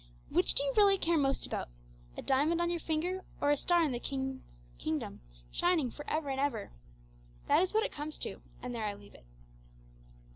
Which do you really care most about a diamond on your finger, or a star in the Redeemer's kingdom, shining for ever and ever? That is what it comes to, and there I leave it.